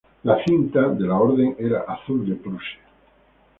La "cinta" de la Orden era azul de prusia.